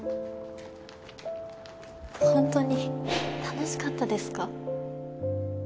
ホントに楽しかったですか？